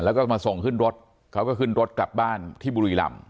แล้วก็มาส่งขึ้นรถเขาก็ขึ้นรถกลับบ้านที่บุรีรำ